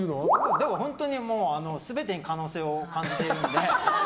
でも本当に全てに可能性を感じているので。